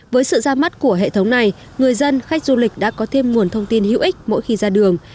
với sự ra mắt của hệ thống này người dân khách du lịch đã có thêm nguồn thông tin hữu ích mỗi khi ra đường